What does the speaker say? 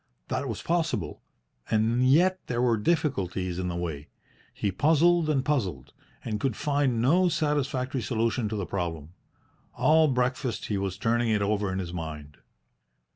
That was possible, and yet there were difficulties in the way. He puzzled and puzzled, but could find no satisfactory solution to the problem. All breakfast he was turning it over in his mind.